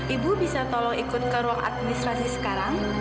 ibu bisa tolong ikut ke ruang administrasi sekarang